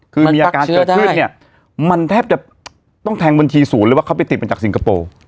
คือมีอาการเกิดขึ้นเนี่ยมันแทบจะต้องแทงบัญชีศูนย์เลยว่าเขาไปติดมาจากสิงคโปร์